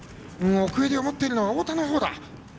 奥襟を持っているのは太田だ。